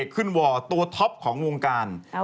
ขึ้นวอร์